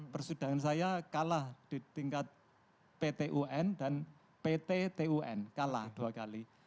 persidangan saya kalah di tingkat pt un dan pt tun kalah dua kali